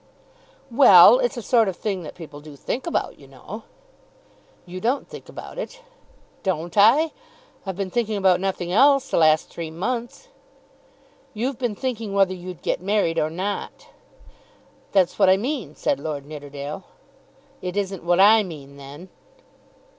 "Well; it's a sort of thing that people do think about, you know." "You don't think about it." "Don't I? I've been thinking about nothing else the last three months." "You've been thinking whether you'd get married or not." "That's what I mean," said Lord Nidderdale. "It isn't what I mean, then."